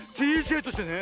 ＤＪとしてね